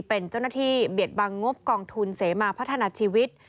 เป็นเจ้าหน้าที่เบียดบังงบกองทุนเสมาพัฒนาชีวิต